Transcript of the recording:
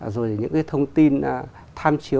rồi những cái thông tin tham chiếu